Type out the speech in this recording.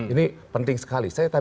ini penting sekali